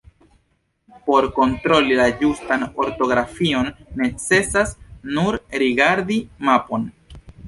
Por kontroli la ĝustan ortografion necesas nur rigardi mapon...